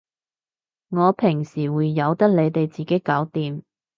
我平時會由你哋自己搞掂